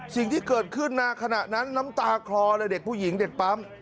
สิ่งที่เกิดขึ้นนะขณะนั้นน้ำตาคลอเลยเด็กผู้หญิงเด็กปั๊ม